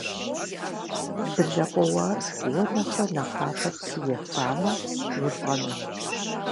Блэ къоуар уэ нэхърэ нэхъапэ псы ефамэ, улӏэнущ.